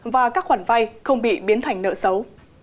và các khoản vay không bị biến thành nợ xấu